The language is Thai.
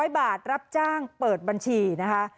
๐บาทรับจ้างเปิดบัญชีนะคะ